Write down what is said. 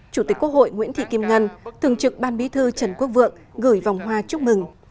chủ tịch quốc hội nguyễn thị kim ngân thường trực ban bí thư trần quốc vượng gửi vòng hoa chúc mừng